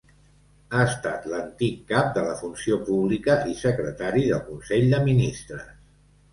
Ha estat l'antic cap de la Funció Pública i secretari del Consell de Ministres.